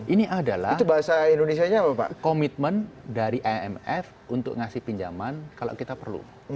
ini adalah komitmen dari imf untuk ngasih pinjaman kalau kita perlu